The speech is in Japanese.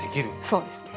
そうですねはい。